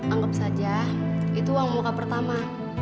anggap saja itu uang muka pertama